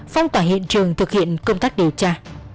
phong tỏa hiện trường thực hiện công tác điều tra